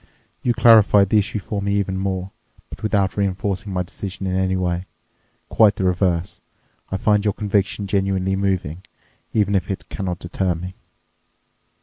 You clarified the issue for me even more, but without reinforcing my decision in any way—quite the reverse. I find your conviction genuinely moving, even if it cannot deter me."